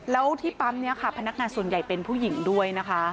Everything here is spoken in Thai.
แล้วที่ปั๊มนี้ค่ะพนักงานส่วนใหญ่เป็นผู้หญิงด้วยนะคะ